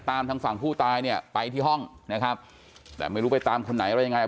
ทางฝั่งผู้ตายเนี่ยไปที่ห้องนะครับแต่ไม่รู้ไปตามคนไหนอะไรยังไง